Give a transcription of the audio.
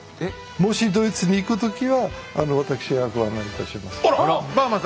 もしドイツに行く時はわたくしがご案内いたします。